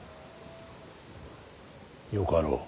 よかろう。